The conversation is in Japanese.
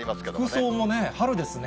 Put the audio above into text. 服装もね、春ですね。